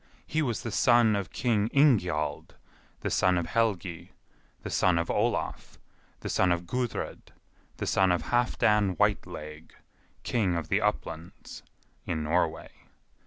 He was the son of King Ingjald, the son of Helgi, the son of Olaf, the son of Gudred, the son of Halfdan Whiteleg, king of the Uplands (in Norway).